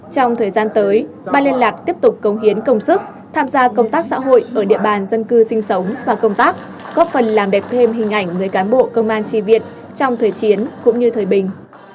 trong thời gian tới ban liên lạc tiếp tục cống hiến công sức tham gia công tác xã hội ở địa bàn dân cư sinh sống và công tác góp phần làm đẹp thêm hình ảnh người cán bộ công an tri viện trong thời chiến cũng như thời bình